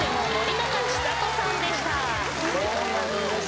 そうなんです。